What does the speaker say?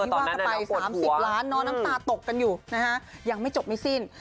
ที่ว่ากระบาย๓๐ล้านน้องน้ำตาตกกันอยู่นะฮะยังไม่จบไม่สิ้น